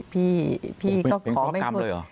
เป็นข้อกรรมเลยหรอ